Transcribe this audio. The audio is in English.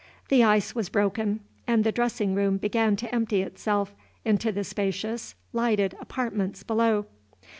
The ice was broken, and the dressing room began to empty itself into the spacious, lighted apartments below.